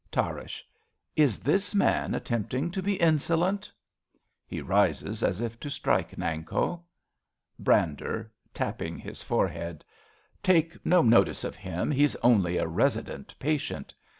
Tarrasch. Is this man attempting to be insolent ? {He rises as if to strike Nanko.) Brander {tapping his forehead). Take no notice of him. He's only a resident patient.